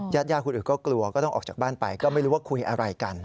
ญาติญาติคนอื่นก็กลัวก็ต้องออกจากบ้านไปก็ไม่รู้ว่าคุยอะไรกัน